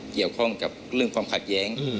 เกี่ยวข้องกับเรื่องความขัดแย้ง